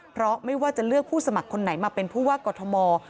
เพราะไม่ว่าจะเลือกผู้สมัครคนไหนมาเป็นผู้ว่ากอทม